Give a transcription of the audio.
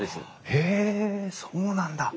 へえそうなんだ！